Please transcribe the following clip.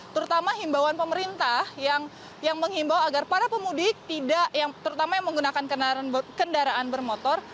terutama himbawan pemerintah yang menghimbau agar para pemudik yang terutama yang menggunakan kendaraan bermotor